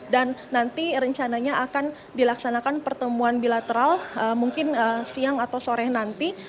dan nanti rencananya akan dilaksanakan pertemuan bilateral mungkin siang atau sore nanti